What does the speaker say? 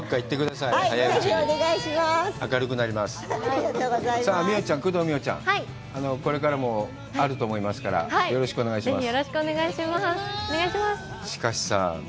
さあ、工藤美桜ちゃん、これからもあると思いますから、よろしくお願いします。